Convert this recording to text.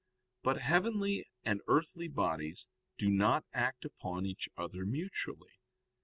But heavenly and earthly bodies do not act upon each other mutually.